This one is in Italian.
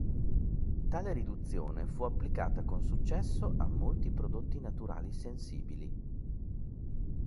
Tale riduzione fu applicata con successo a molti prodotti naturali sensibili.